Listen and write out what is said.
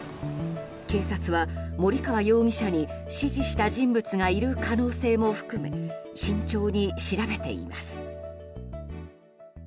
警察は森川容疑者に指示した人物がいる可能性も含め慎重に調べています。